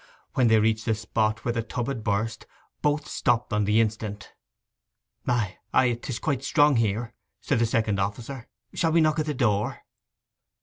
When they reached the spot where the tub had burst, both stopped on the instant. 'Ay, ay, 'tis quite strong here,' said the second officer. 'Shall we knock at the door?